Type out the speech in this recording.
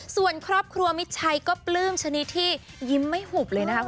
ส่วนครอบครัวมิดชัยก็ปลื้มชนิดที่ยิ้มไม่หุบเลยนะคะ